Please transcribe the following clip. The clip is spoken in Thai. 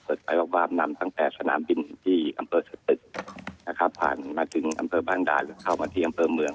บอกว่านำตั้งแต่สนามบินที่อำเภอสตึกนะครับผ่านมาถึงอำเภอบางด่านหรือเข้ามาที่อำเภอเมือง